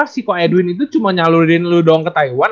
si kok edwin itu cuma nyalurin lu doang ke taiwan